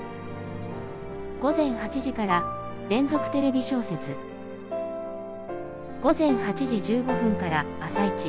「午前８時から『連続テレビ小説』午前８時１５分から『あさイチ』」。